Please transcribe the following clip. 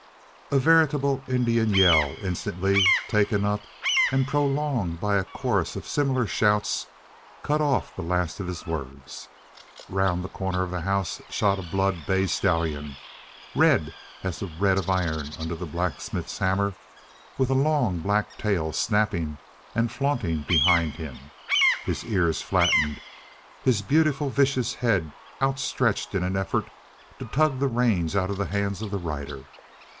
A veritable Indian yell, instantly taken up and prolonged by a chorus of similar shouts, cut off the last of his words. Round the corner of the house shot a blood bay stallion, red as the red of iron under the blacksmith's hammer, with a long, black tail snapping and flaunting behind him, his ears flattened, his beautiful vicious head outstretched in an effort to tug the reins out of the hands of the rider.